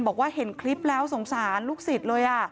บอกว่าเห็นคลิปแล้วสงสารลูกศิษย์เลย